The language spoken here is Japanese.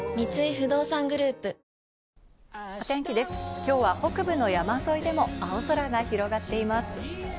今日は北部の山沿いでも青空が広がっています。